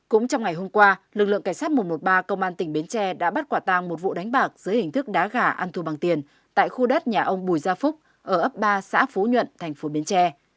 cũng trong ngày hôm qua lực lượng cảnh sát một trăm một mươi ba công an tỉnh bến tre đã bắt quả tàng một vụ đánh bạc dưới hình thức đá gà ăn thua bằng tiền tại khu đất nhà ông bùi gia phúc ở ấp ba xã phú nhuận tp bến tre